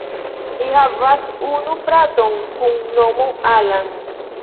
Li havas unu fraton kun nomo Alan.